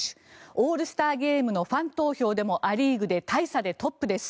オールスターゲームのファン投票でもア・リーグで大差でトップです。